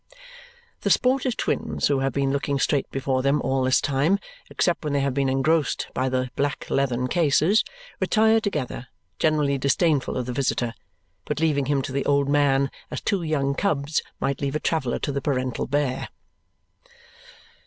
The sportive twins, who have been looking straight before them all this time except when they have been engrossed by the black leathern cases, retire together, generally disdainful of the visitor, but leaving him to the old man as two young cubs might leave a traveller to the parental bear.